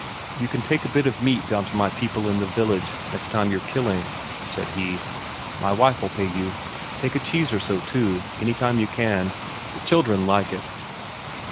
"You can take a bit of meat down to my people in the village next time you're killing," said he. "My wife'll pay you. Take a cheese or so, too, any time you can. The children like it."